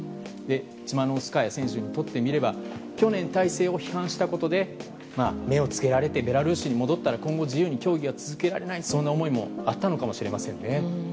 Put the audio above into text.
チマノウスカヤ選手にとっては去年、体制を批判したことで目をつけられてベラルーシに戻ったら今後自由に競技が続けられないとそんな思いもあったのかもしれませんね。